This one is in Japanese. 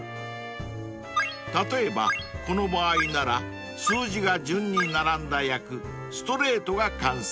［例えばこの場合なら数字が順に並んだ役ストレートが完成］